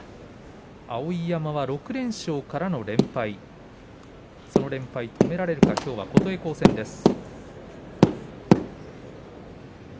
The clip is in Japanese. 碧山が６連勝からの連敗その連敗を止められるか琴恵光戦です。